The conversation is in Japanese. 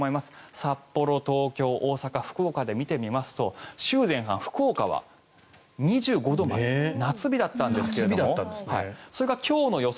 札幌、東京、大阪、福岡で見てみますと週前半、福岡は２５度、夏日だったんですがそれが今日の予想